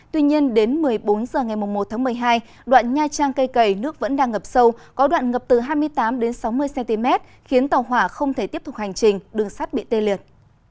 tuy nhiên đến một mươi bốn h ngày một một mươi hai đoạn nha trang cây cẩy nước vẫn đang ngập sâu có đoạn ngập từ hai mươi tám sáu mươi cm khiến tàu hỏa không thể tiếp tục hành trình đường sắt bị tê liệt